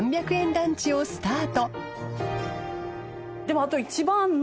ランチをスタート